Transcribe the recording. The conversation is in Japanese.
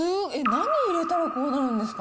何入れたらこうなるんですか？